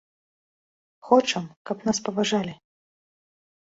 Хочам, каб нас паважалі.